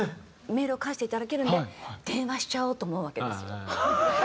メールを返していただけるんで電話しちゃおうと思うわけですよ。